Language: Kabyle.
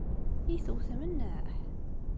I tewtem nneḥ?